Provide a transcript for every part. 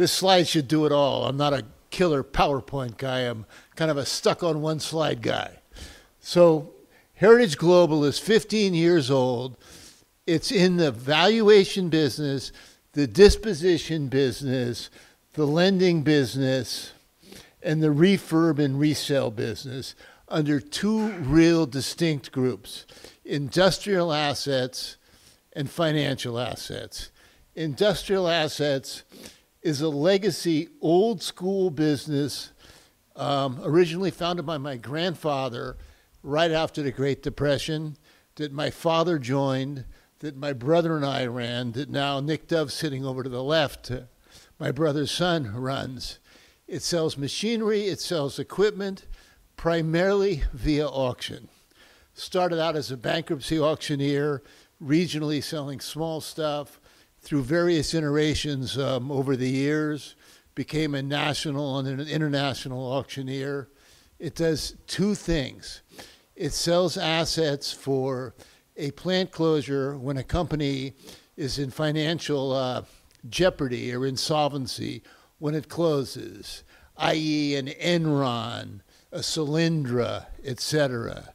This slide should do it all. I'm not a killer PowerPoint guy. I'm kind of a stuck-on-one-slide guy. So Heritage Global is 15 years old. It's in the valuation business, the disposition business, the lending business, and the refurb and resale business under two real distinct groups: industrial assets and financial assets. Industrial assets is a legacy, old-school business originally founded by my grandfather right after the Great Depression, that my father joined, that my brother and I ran, that now Nick Dove, sitting over to the left, my brother's son runs. It sells machinery. It sells equipment, primarily via auction. Started out as a bankruptcy auctioneer, regionally selling small stuff, through various iterations over the years, became a national and an international auctioneer. It does two things: it sells assets for a plant closure when a company is in financial jeopardy or insolvency when it closes, i.e., an Enron, a Solyndra, etc.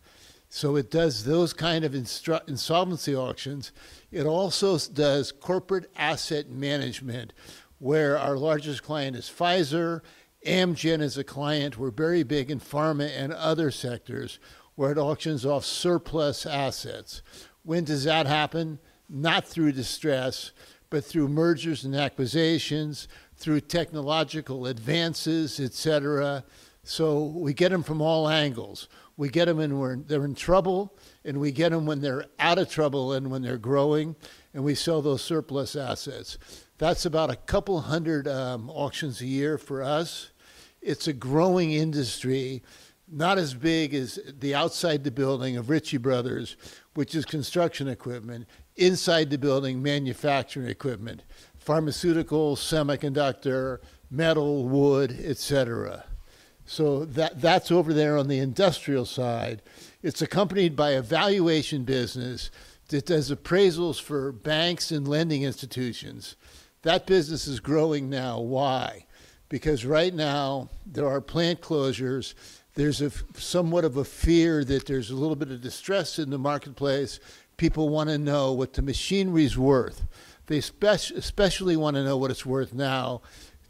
So it does those kinds of insolvency auctions. It also does corporate asset management, where our largest client is Pfizer. Amgen is a client. We're very big in pharma and other sectors where it auctions off surplus assets. When does that happen? Not through distress, but through mergers and acquisitions, through technological advances, etc. So we get them from all angles. We get them when they're in trouble, and we get them when they're out of trouble and when they're growing, and we sell those surplus assets. That's about a couple hundred auctions a year for us. It's a growing industry, not as big as the outside the building of Ritchie Brothers, which is construction equipment. Inside the building, manufacturing equipment: pharmaceuticals, semiconductor, metal, wood, etc. So that's over there on the industrial side. It's accompanied by a valuation business that does appraisals for banks and lending institutions. That business is growing now. Why? Because right now there are plant closures. There's somewhat of a fear that there's a little bit of distress in the marketplace. People want to know what the machinery's worth. They especially want to know what it's worth now,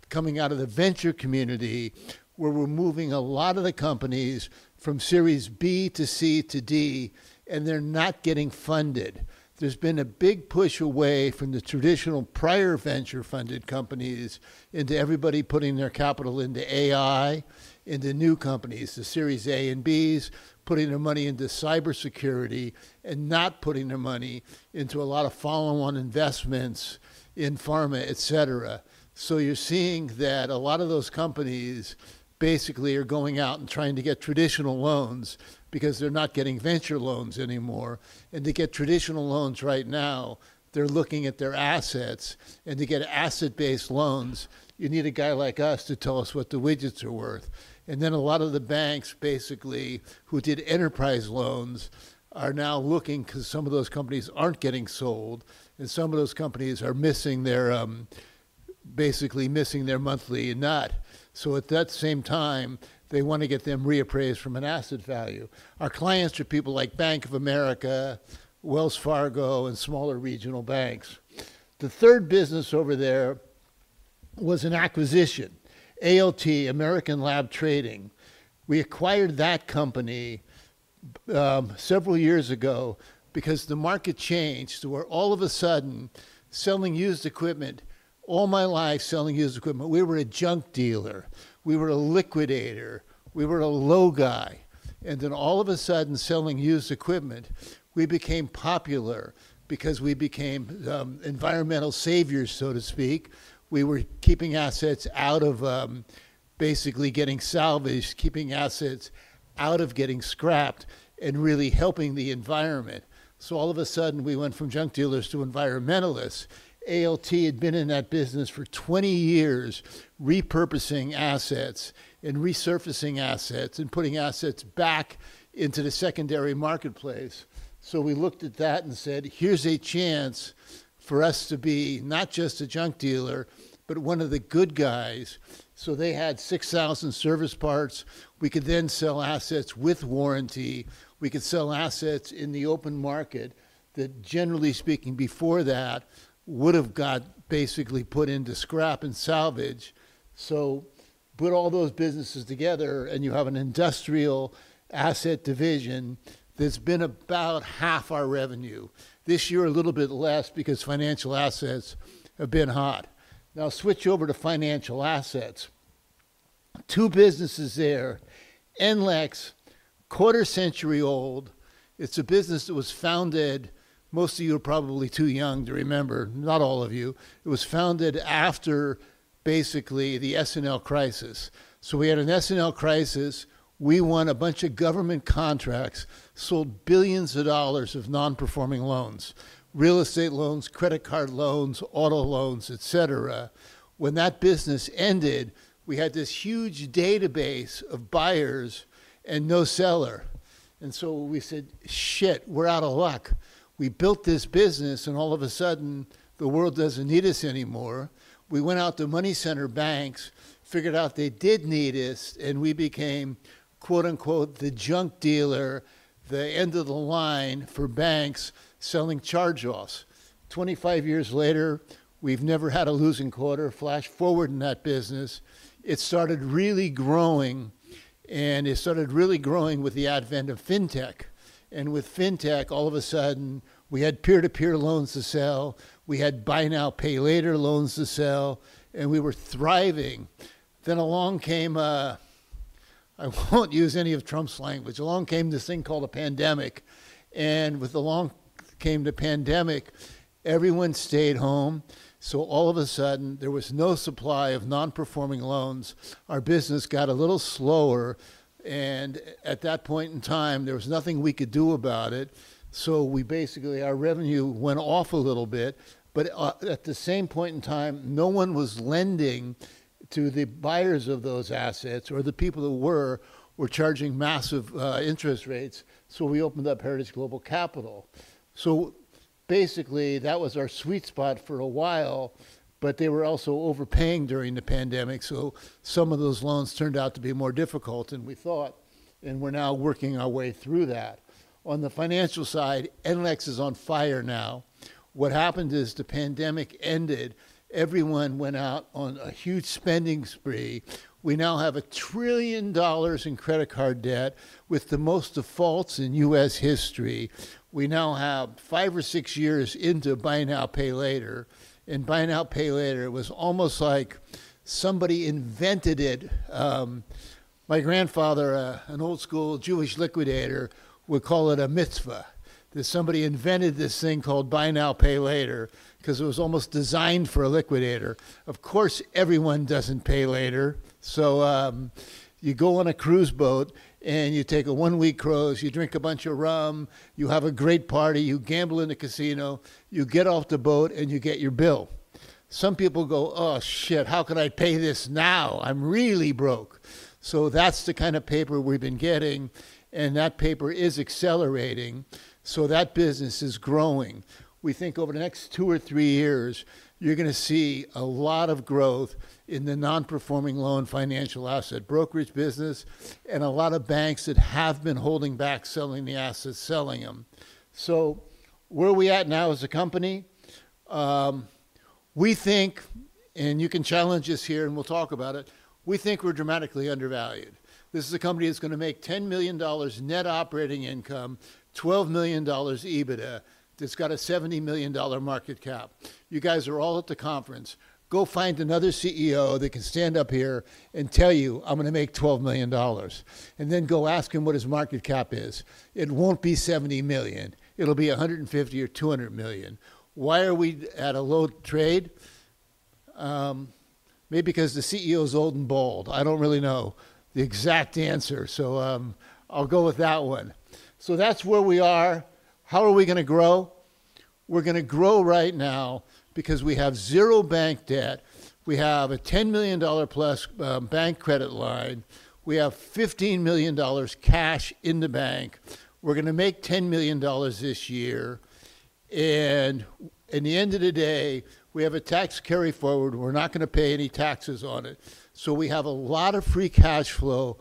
coming out of the venture community, where we're moving a lot of the companies from Series B to C to D, and they're not getting funded. There's been a big push away from the traditional prior venture-funded companies into everybody putting their capital into AI, into new companies, the Series A and Bs, putting their money into cybersecurity, and not putting their money into a lot of follow-on investments in pharma, etc. So you're seeing that a lot of those companies basically are going out and trying to get traditional loans because they're not getting venture loans anymore. And to get traditional loans right now, they're looking at their assets. And to get asset-based loans, you need a guy like us to tell us what the widgets are worth. And then a lot of the banks, basically, who did enterprise loans are now looking because some of those companies aren't getting sold, and some of those companies are basically missing their monthly nut. So at that same time, they want to get them reappraised from an asset value. Our clients are people like Bank of America, Wells Fargo, and smaller regional banks. The third business over there was an acquisition: ALT, American Lab Trading. We acquired that company several years ago because the market changed to where all of a sudden, selling used equipment, all my life selling used equipment, we were a junk dealer. We were a liquidator. We were a low guy. And then all of a sudden, selling used equipment, we became popular because we became environmental saviors, so to speak. We were keeping assets out of basically getting salvaged, keeping assets out of getting scrapped, and really helping the environment. So all of a sudden, we went from junk dealers to environmentalists. ALT had been in that business for 20 years, repurposing assets and refurbishing assets and putting assets back into the secondary marketplace. So we looked at that and said, "Here's a chance for us to be not just a junk dealer, but one of the good guys." So they had 6,000 service parts. We could then sell assets with warranty. We could sell assets in the open market that, generally speaking, before that would have got basically put into scrap and salvage. So put all those businesses together, and you have an industrial asset division that's been about half our revenue. This year, a little bit less because financial assets have been hot. Now switch over to financial assets. Two businesses there: NLEX, quarter-century old. It's a business that was founded, most of you are probably too young to remember, not all of you, it was founded after basically the S&L crisis. We had an S&L crisis. We won a bunch of government contracts, sold billions of dollars of non-performing loans: real estate loans, credit card loans, auto loans, etc. When that business ended, we had this huge database of buyers and no seller. And so we said, "Shit, we're out of luck." We built this business, and all of a sudden, the world doesn't need us anymore. We went out to money-center banks, figured out they did need us, and we became "the junk dealer," the end of the line for banks selling charge-offs. Twenty-five years later, we've never had a losing quarter. Flash forward in that business, it started really growing, and it started really growing with the advent of fintech. And with fintech, all of a sudden, we had peer-to-peer loans to sell. We had buy now, pay later loans to sell, and we were thriving. Then along came (I won't use any of Trump's language) along came this thing called a pandemic. And with along came the pandemic, everyone stayed home. So all of a sudden, there was no supply of non-performing loans. Our business got a little slower, and at that point in time, there was nothing we could do about it. So we basically, our revenue went off a little bit. But at the same point in time, no one was lending to the buyers of those assets, or the people who were, were charging massive interest rates. So we opened up Heritage Global Capital. So basically, that was our sweet spot for a while, but they were also overpaying during the pandemic. So some of those loans turned out to be more difficult than we thought, and we're now working our way through that. On the financial side, NLEX is on fire now. What happened is the pandemic ended. Everyone went out on a huge spending spree. We now have $1 trillion in credit card debt with the most defaults in U.S. history. We now have five or six years into buy now, pay later. And buy now, pay later was almost like somebody invented it. My grandfather, an old-school Jewish liquidator, would call it a mitzvah that somebody invented this thing called buy now, pay later because it was almost designed for a liquidator. Of course, everyone doesn't pay later. So you go on a cruise boat, and you take a one-week cruise, you drink a bunch of rum, you have a great party, you gamble in a casino, you get off the boat, and you get your bill. Some people go, "Oh, shit, how can I pay this now? I'm really broke." So that's the kind of paper we've been getting, and that paper is accelerating. So that business is growing. We think over the next two or three years, you're going to see a lot of growth in the non-performing loan financial asset brokerage business and a lot of banks that have been holding back selling the assets, selling them. So where are we at now as a company? We think, and you can challenge us here, and we'll talk about it, we think we're dramatically undervalued. This is a company that's going to make $10 million net operating income, $12 million EBITDA. It's got a $70 million market cap. You guys are all at the conference. Go find another CEO that can stand up here and tell you, "I'm going to make $12 million," and then go ask him what his market cap is. It won't be 70 million. It'll be $150 million or $200 million. Why are we at a low trade? Maybe because the CEO's old and bald. I don't really know the exact answer, so I'll go with that one. So that's where we are. How are we going to grow? We're going to grow right now because we have zero bank debt. We have a $10 million-plus bank credit line. We have $15 million cash in the bank. We're going to make $10 million this year. And at the end of the day, we have a tax carry forward. We're not going to pay any taxes on it. So we have a lot of free cash flow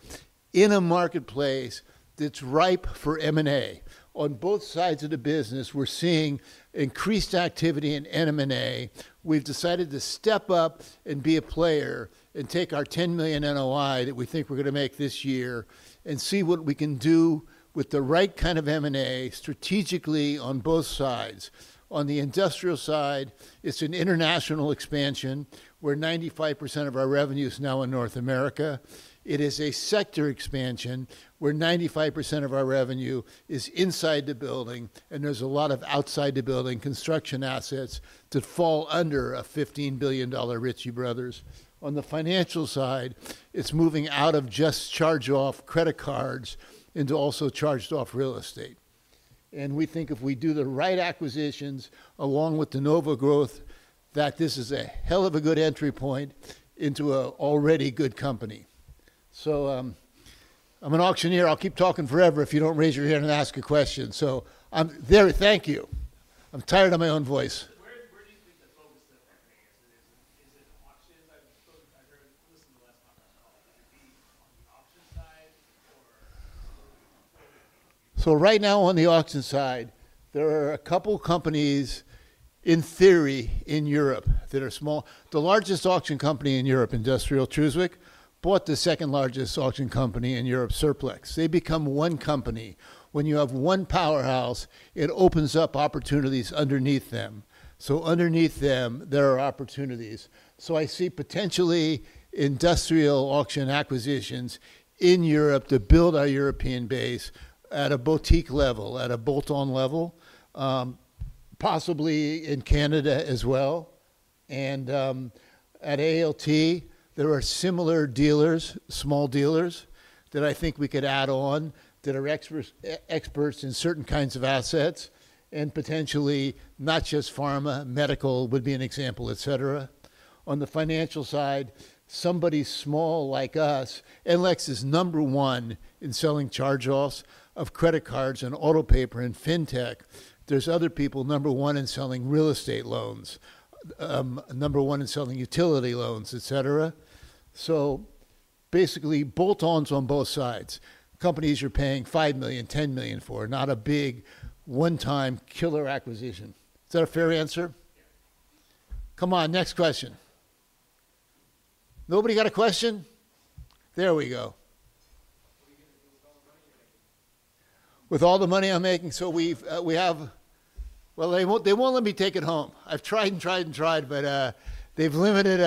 in a marketplace that's ripe for M&A. On both sides of the business, we're seeing increased activity in M&A. We've decided to step up and be a player and take our $10 million NOI that we think we're going to make this year and see what we can do with the right kind of M&A strategically on both sides. On the industrial side, it's an international expansion where 95% of our revenue is now in North America. It is a sector expansion where 95% of our revenue is inside the building, and there's a lot of outside-the-building construction assets that fall under a $15 billion Ritchie Brothers. On the financial side, it's moving out of just charge-off credit cards into also charge-off real estate. We think if we do the right acquisitions along with de Nova Growth, that this is a hell of a good entry point into an already good company. I'm an auctioneer. I'll keep talking forever if you don't raise your hand and ask a question. So there, thank you. I'm tired of my own voice. Where do you think the focus of the company is? Is it auctions? I heard, listen to the last conference call. Would it be on the auction side or focusing on the company? So right now, on the auction side, there are a couple companies, in theory, in Europe that are small. The largest auction company in Europe, Troostwijk Auctions, bought the second largest auction company in Europe, Surplex. They become one company. When you have one powerhouse, it opens up opportunities underneath them. So underneath them, there are opportunities. So I see potentially industrial auction acquisitions in Europe to build our European base at a boutique level, at a bolt-on level, possibly in Canada as well. And at ALT, there are similar dealers, small dealers, that I think we could add on that are experts in certain kinds of assets and potentially not just pharma. Medical would be an example, etc. On the financial side, somebody small like us, NLEX is number one in selling charge-offs of credit cards and auto paper and fintech. There's other people number one in selling real estate loans, number one in selling utility loans, etc. So basically, bolt-ons on both sides. Companies you're paying $5 million, $10 million for, not a big one-time killer acquisition. Is that a fair answer? Come on, next question. Nobody got a question? There we go. With all the money I'm making? With all the money I'm making. So we have, well, they won't let me take it home. I've tried and tried and tried, but they've limited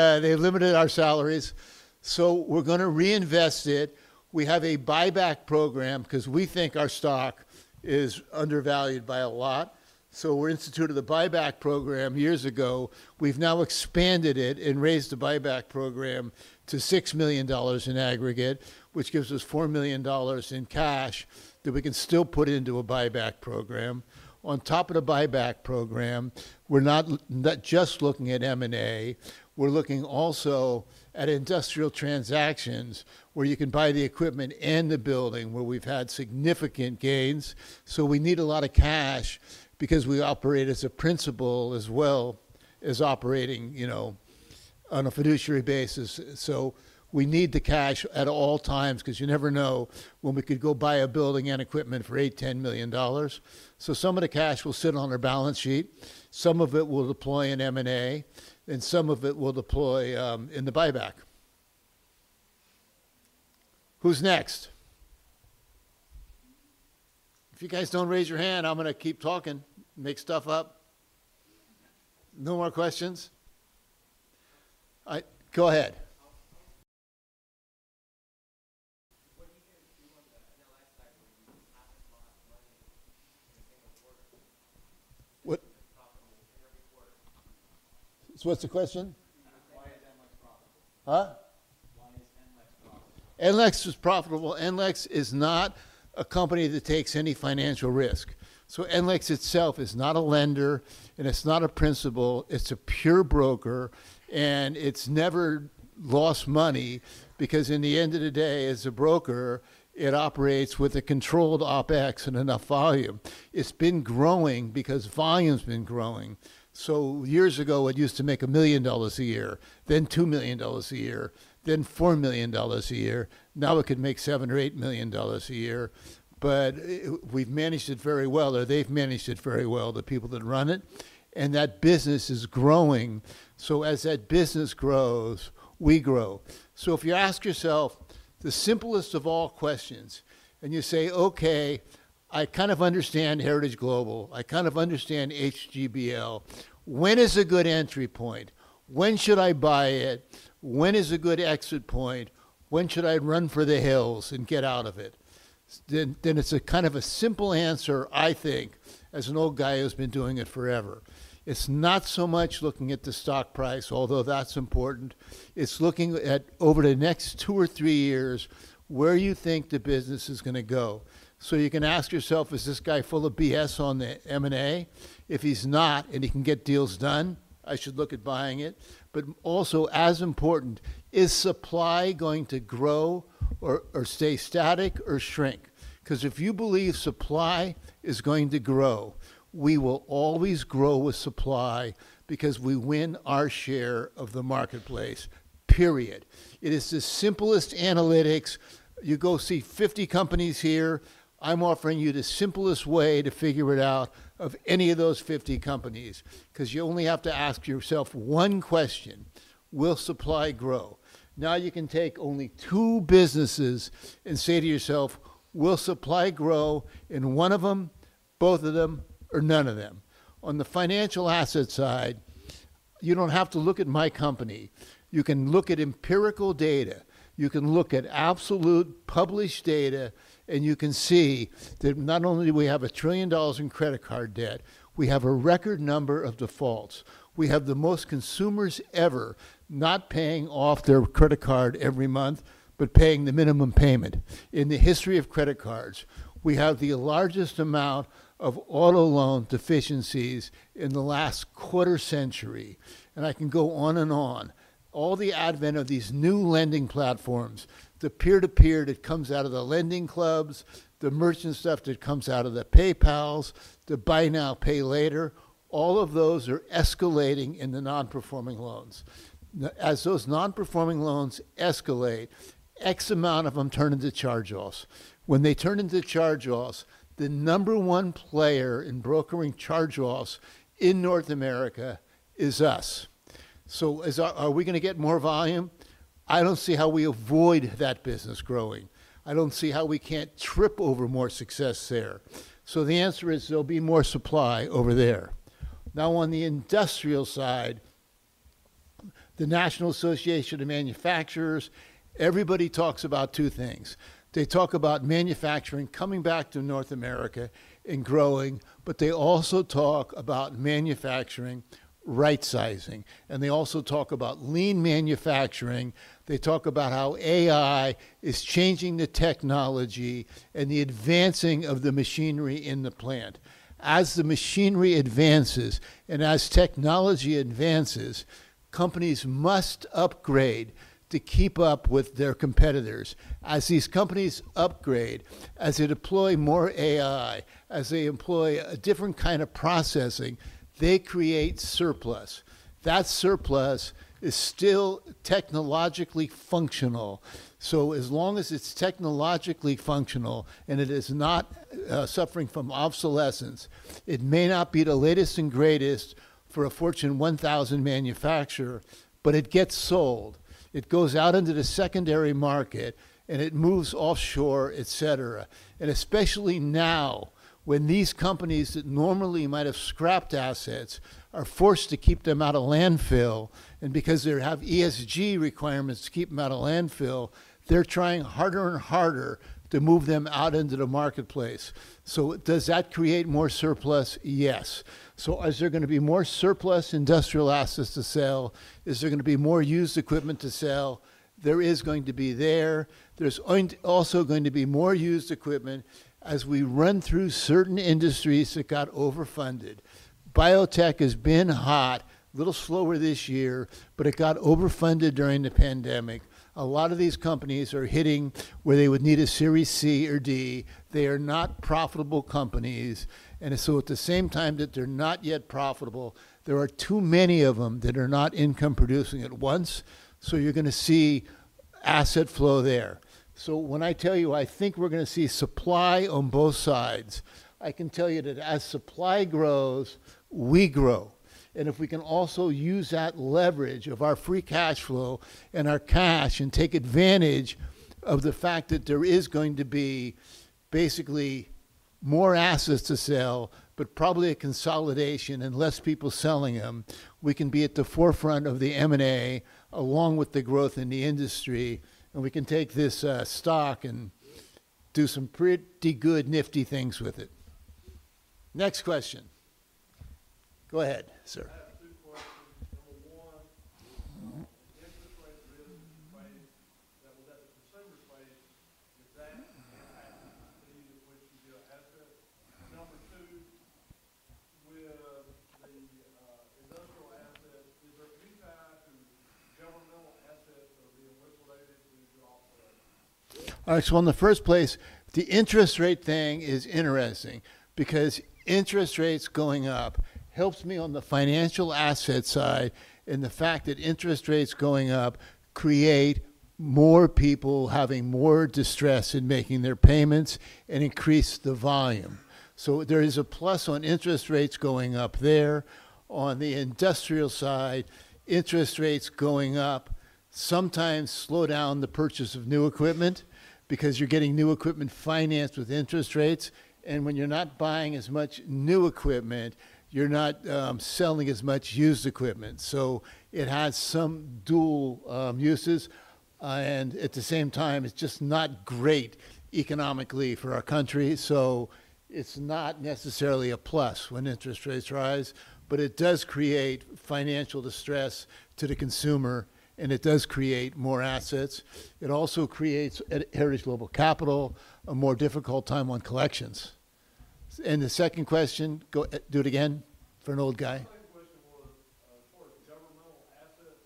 our salaries. So we're going to reinvest it. We have a buyback program because we think our stock is undervalued by a lot. So we're instituted a buyback program years ago. We've now expanded it and raised the buyback program to $6 million in aggregate, which gives us $4 million in cash that we can still put into a buyback program. On top of the buyback program, we're not just looking at M&A. We're looking also at industrial transactions where you can buy the equipment and the building where we've had significant gains. So we need a lot of cash because we operate as a principal as well as operating on a fiduciary basis. So we need the cash at all times because you never know when we could go buy a building and equipment for $8-$10 million. So some of the cash will sit on our balance sheet. Some of it will deploy in M&A, and some of it will deploy in the buyback. Who's next? If you guys don't raise your hand, I'm going to keep talking, make stuff up. No more questions? Go ahead. What's the question? Why is NLEX profitable? Huh? Why is NLEX profitable? NLEX is profitable. NLEX is not a company that takes any financial risk. So NLEX itself is not a lender, and it's not a principal. It's a pure broker, and it's never lost money because in the end of the day, as a broker, it operates with a controlled OPEX and enough volume. It's been growing because volume's been growing. So years ago, it used to make $1 million a year, then $2 million a year, then $4 million a year. Now it could make $7 or $8 million a year. But we've managed it very well, or they've managed it very well, the people that run it. And that business is growing. So as that business grows, we grow. So if you ask yourself the simplest of all questions and you say, "Okay, I kind of understand Heritage Global. I kind of understand HGBL. When is a good entry point? When should I buy it? When is a good exit point? When should I run for the hills and get out of it?" Then it's a kind of a simple answer, I think, as an old guy who's been doing it forever. It's not so much looking at the stock price, although that's important. It's looking at over the next two or three years where you think the business is going to go. So you can ask yourself, "Is this guy full of BS on the M&A? If he's not and he can get deals done, I should look at buying it." But also, as important, is supply going to grow or stay static or shrink? Because if you believe supply is going to grow, we will always grow with supply because we win our share of the marketplace, period. It is the simplest analytics. You go see 50 companies here. I'm offering you the simplest way to figure it out of any of those 50 companies because you only have to ask yourself one question: Will supply grow? Now you can take only two businesses and say to yourself, "Will supply grow in one of them, both of them, or none of them?" On the financial asset side, you don't have to look at my company. You can look at empirical data. You can look at absolute published data, and you can see that not only do we have $1 trillion in credit card debt, we have a record number of defaults. We have the most consumers ever not paying off their credit card every month but paying the minimum payment. In the history of credit cards, we have the largest amount of auto loan delinquencies in the last quarter century. And I can go on and on. With the advent of these new lending platforms, the peer-to-peer that comes out of the lending clubs, the merchant stuff that comes out of the PayPals, the buy now, pay later, all of those are escalating in the non-performing loans. As those non-performing loans escalate, X amount of them turn into charge-offs. When they turn into charge-offs, the number one player in brokering charge-offs in North America is us. So are we going to get more volume? I don't see how we avoid that business growing. I don't see how we can't trip over more success there. So the answer is there'll be more supply over there. Now, on the industrial side, the National Association of Manufacturers, everybody talks about two things. They talk about manufacturing coming back to North America and growing, but they also talk about manufacturing rightsizing, and they also talk about lean manufacturing. They talk about how AI is changing the technology and the advancing of the machinery in the plant. As the machinery advances and as technology advances, companies must upgrade to keep up with their competitors. As these companies upgrade, as they deploy more AI, as they employ a different kind of processing, they create surplus. That surplus is still technologically functional. So as long as it's technologically functional and it is not suffering from obsolescence, it may not be the latest and greatest for a Fortune 1000 manufacturer, but it gets sold. It goes out into the secondary market, and it moves offshore, etc., and especially now when these companies that normally might have scrapped assets are forced to keep them out of landfill, and because they have ESG requirements to keep them out of landfill, they're trying harder and harder to move them out into the marketplace. Does that create more surplus? Yes. Is there going to be more surplus industrial assets to sell? Is there going to be more used equipment to sell? There is going to be. There's also going to be more used equipment as we run through certain industries that got overfunded. Biotech has been hot, a little slower this year, but it got overfunded during the pandemic. A lot of these companies are hitting where they would need a Series C or D. They are not profitable companies. So at the same time that they're not yet profitable, there are too many of them that are not income-producing at once. You're going to see asset flow there. When I tell you, "I think we're going to see supply on both sides," I can tell you that as supply grows, we grow. And if we can also use that leverage of our free cash flow and our cash and take advantage of the fact that there is going to be basically more assets to sell, but probably a consolidation and less people selling them, we can be at the forefront of the M&A along with the growth in the industry. And we can take this stock and do some pretty good nifty things with it. Next question. Go ahead, sir. I have two questions. Number one, the interest rate risk that the consumers face, is that impacting the continuity of which you deal assets? And number two, with the industrial assets, is there any ties to governmental assets that are being liquidated due to offshore? All right. So in the first place, the interest rate thing is interesting because interest rates going up helps me on the financial asset side and the fact that interest rates going up create more people having more distress in making their payments and increase the volume. So there is a plus on interest rates going up there. On the industrial side, interest rates going up sometimes slow down the purchase of new equipment because you're getting new equipment financed with interest rates. And when you're not buying as much new equipment, you're not selling as much used equipment. So it has some dual uses. And at the same time, it's just not great economically for our country. So it's not necessarily a plus when interest rates rise, but it does create financial distress to the consumer, and it does create more assets. It also creates at Heritage Global Capital a more difficult time on collections, and the second question, do it again for an old guy. My second question was for governmental assets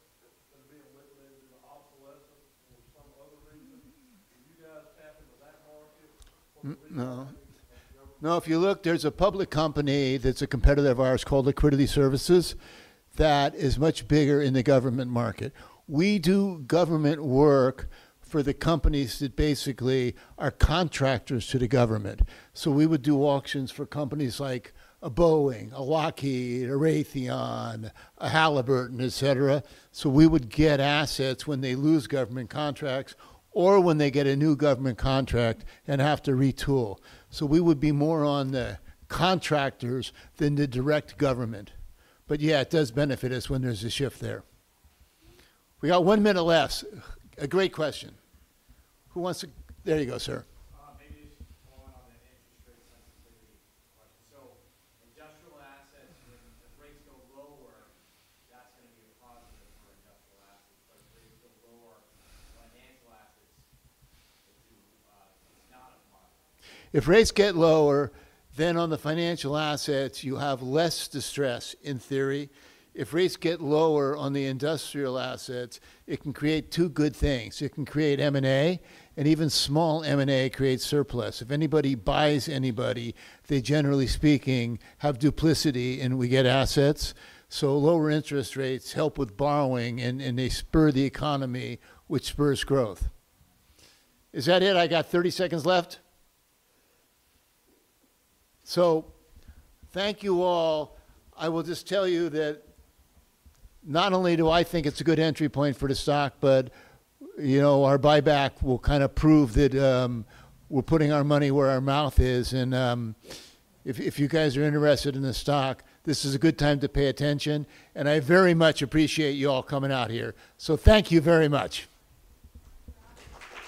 that are being liquidated due to obsolescence or some other reason. Do you guys tap into that market for the reason of government? No. If you look, there's a public company that's a competitor of ours called Liquidity Services that is much bigger in the government market. We do government work for the companies that basically are contractors to the government. So we would do auctions for companies like a Boeing, a Lockheed, a Raytheon, a Halliburton, etc. So we would get assets when they lose government contracts or when they get a new government contract and have to retool. So we would be more on the contractors than the direct government. But yeah, it does benefit us when there's a shift there. We got one minute left. A great question. Who wants to? There you go, sir. Maybe just one on the interest rate sensitivity question. So industrial assets, when the rates go lower, that's going to be a positive for industrial assets. But if rates go lower, financial assets, it's not a positive. If rates get lower, then on the financial assets, you have less distress in theory. If rates get lower on the industrial assets, it can create two good things. It can create M&A, and even small M&A creates surplus. If anybody buys anybody, they generally speaking have duplication, and we get assets. So lower interest rates help with borrowing, and they spur the economy, which spurs growth. Is that it? I got 30 seconds left. So thank you all. I will just tell you that not only do I think it's a good entry point for the stock, but our buyback will kind of prove that we're putting our money where our mouth is, and if you guys are interested in the stock, this is a good time to pay attention. I very much appreciate you all coming out here, so thank you very much.